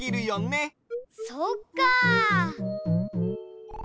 そっか！